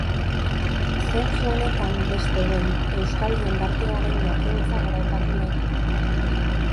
Zentzu honetan, beste behin, euskal jendartearen jakintza goraipatu nahi dugu.